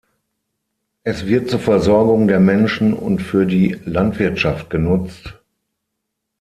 Es wird zur Versorgung der Menschen und für die Landwirtschaft genutzt.